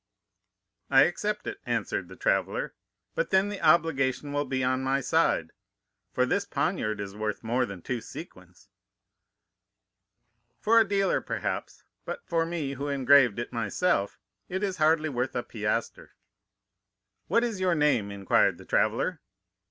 "'I accept it,' answered the traveller, 'but then the obligation will be on my side, for this poniard is worth more than two sequins.' "'For a dealer perhaps; but for me, who engraved it myself, it is hardly worth a piastre.' "'What is your name?' inquired the traveller.